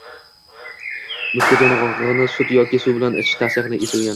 Muskat yongʻogʻini sut yoki suv bilan ichish tavsiya etilgan.